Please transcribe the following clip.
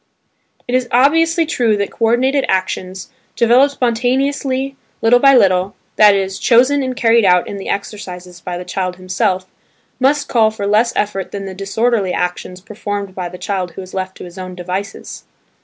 It is obviously true that co ordinated actions, developed spontaneously little by little (that is, chosen and carried out in the exercises by the child himself), must call for less effort than the disorderly actions performed by the child who is left to his own devices.